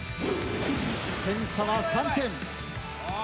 点差は３点。